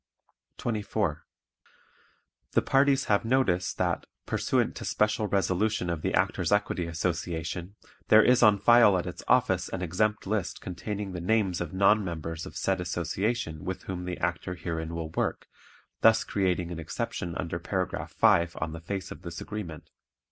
24. The parties have notice that, pursuant to special resolution of the Actors' Equity Association, there is on file at its office an exempt list containing the names of non members of said Association with whom the actor herein will work, thus creating an exception under paragraph 5 on the face of this agreement.